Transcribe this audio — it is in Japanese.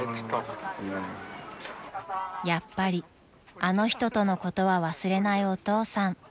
［やっぱりあの人とのことは忘れないお父さん］